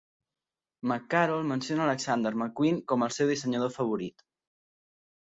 McCarroll menciona Alexander McQueen com el seu dissenyador favorit.